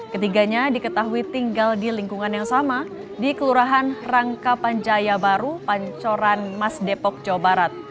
ketiganya diketahui tinggal di lingkungan yang sama di kelurahan rangkapanjaya baru pancoran mas depok jawa barat